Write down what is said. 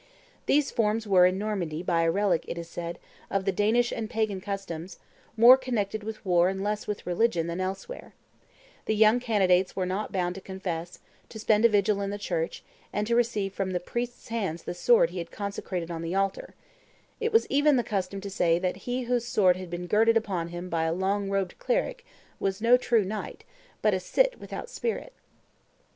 These forms were in Normandy, by a relic, it is said, of the Danish and pagan customs, more connected with war and less with religion than elsewhere; the young candidates were not bound to confess, to spend a vigil in the church, and to receive from the priest's hands the sword he had consecrated on the altar; it was even the custom to say that "he whose sword had been girded upon him by a long robed cleric was no true knight, but a cit without spirit."